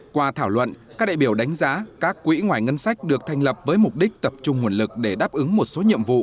qua thảo luận các đại biểu đánh giá các quỹ ngoài ngân sách được thành lập với mục đích tập trung nguồn lực để đáp ứng một số nhiệm vụ